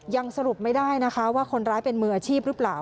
ยังสรุปไม่ได้นะคะว่าคนร้ายเป็นมืออาชีพหรือเปล่า